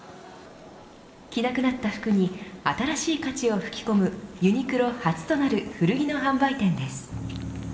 着なくなった服に新しい価値を吹き込むユニクロ初となる古着の販売店です。